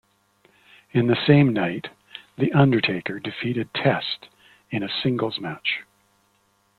In the same night, The Undertaker defeated Test in a singles match.